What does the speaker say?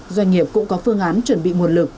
doanh nghiệp cũng có phương án chuẩn bị nguồn lực